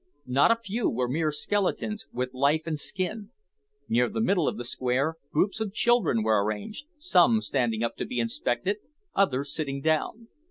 Not a few were mere skeletons, with life and skin. Near the middle of the square, groups of children were arranged some standing up to be inspected, others sitting down.